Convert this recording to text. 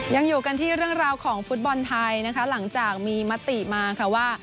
ยังอยู่กันที่เรื่องราวของฟุตบอลไทยนะคะหลังจากมีมติมาค่ะว่า